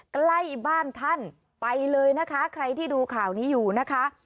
ใกล้บ้านท่านไปเลยนะคะใครที่ดูข่าวนี้อยู่นะคะ